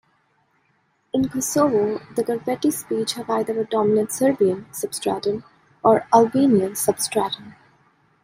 In Kosovo, the Gurbeti speech have either a dominant Serbian substratum, or Albanian substratum.